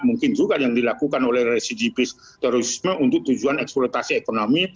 mungkin juga yang dilakukan oleh residivis terorisme untuk tujuan eksploitasi ekonomi